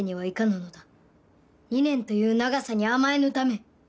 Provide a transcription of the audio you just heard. ２年という長さに甘えぬため。